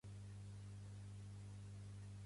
La crosseta dels avis sosté la casa.